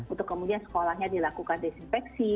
untuk kemudian sekolahnya dilakukan desinfeksi